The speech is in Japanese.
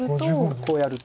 こうやると。